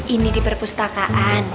ini di perpustakaan